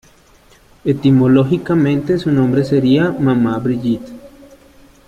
Etimológicamente su nombre sería "Mamá Brigitte".